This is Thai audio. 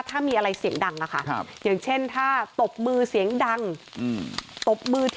ถ้ามีอะไรเสียงดังอะค่ะอย่างเช่นถ้าตบมือเสียงดังตบมือ